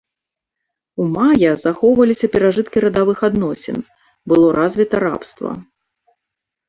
У мая захоўваліся перажыткі радавых адносін, было развіта рабства.